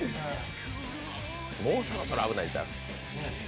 もうそろそろ危ないんちゃう？